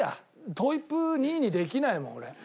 トイプー２位にできないもん俺。